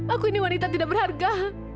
aku ini wanita tidak berharga